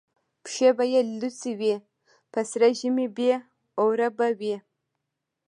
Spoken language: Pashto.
پښې به یې لوڅي وي په سره ژمي بې اوره به وي